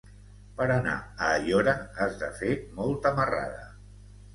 Per anar a Aiora has de fer molta marrada.